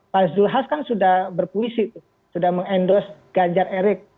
pak zulhas kan sudah berpuisi sudah mengendos ganjar erik